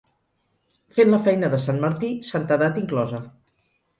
Fent la feina de sant Martí, santedat inclosa.